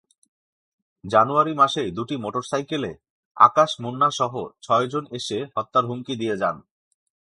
জানুয়ারি মাসেই দুটি মোটরসাইকেলে আকাশ, মুন্নাসহ ছয়জন এসে হত্যার হুমকি দিয়ে যান।